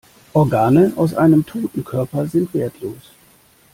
Organe aus einem toten Körper sind wertlos.